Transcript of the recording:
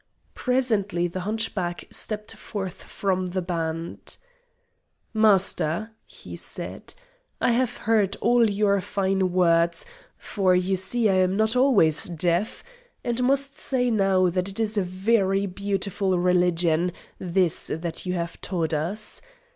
Presently the hunchback stepped forth from the band. "Master," he said, "I have heard all your fine words for, you see, I am not always deaf and must say now that it is a very beautiful religion, this that you have taught us.